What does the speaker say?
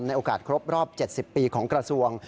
โอกาสครบรอบ๗๐ปีของกระทรวง